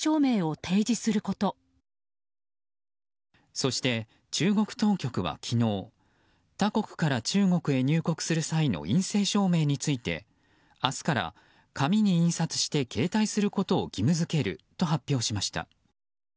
そして、中国当局は昨日他国から中国へ入国する際の陰性証明について明日から紙に印刷して携帯することを義務付けると発表しました。